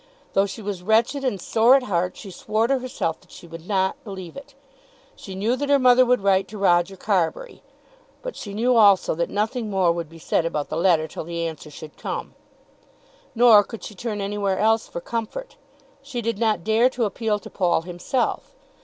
Though she was wretched and sore at heart she swore to herself that she would not believe it. She knew that her mother would write to Roger Carbury, but she knew also that nothing more would be said about the letter till the answer should come. Nor could she turn anywhere else for comfort. She did not dare to appeal to Paul himself.